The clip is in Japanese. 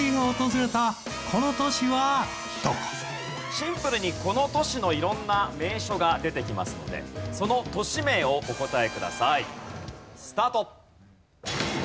シンプルにこの都市の色んな名所が出てきますのでその都市名をお答えください。スタート。